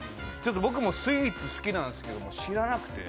僕もスイーツ好きなんですけど知らなくて。